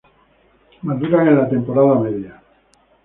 Maduran en la temporada media.